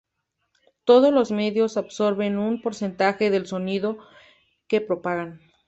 Todos los medios absorben un porcentaje del sonido que propagan.